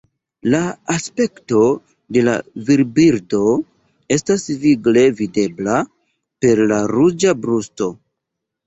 La aspekto de la virbirdo estas vigle videbla, per la ruĝa brusto.